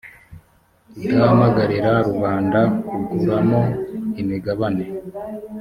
idahamagarira rubanda kuguramo imigabane